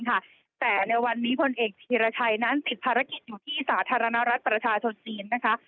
แต่ในวันนี้พลเอกธีรชัยนั้นติดภารกิจอยู่ที่สาธารณรัฐประชาชนจีนนะคะ